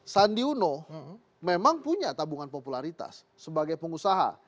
sandi uno memang punya tabungan popularitas sebagai pengusaha